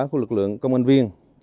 của lực lượng công an viên